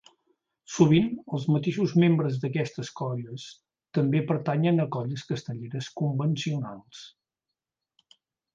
Sovint, els mateixos membres d'aquestes colles també pertanyen a colles castelleres convencionals.